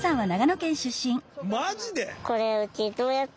マジで！？